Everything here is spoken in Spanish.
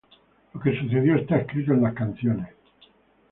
Lo que sucedió está escrito en las canciones.